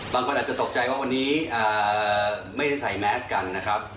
บางคนอาจจะตกใจว่าวันนี้ไม่ได้ใส่แมสกันนะครับ